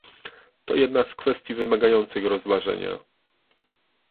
To jedna z kwestii wymagających rozważenia